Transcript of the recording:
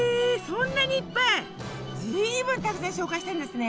そんなにいっぱい⁉ずいぶんたくさん紹介したんですね。